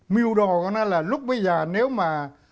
mưu đồ của nó là lúc bây giờ nếu mà